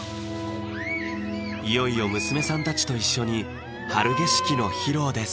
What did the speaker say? いよいよ娘さんたちと一緒に「春景色」の披露です